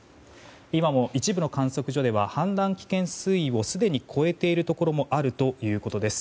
今も一部の観測所では氾濫危険水位をすでに超えているところもあるということです。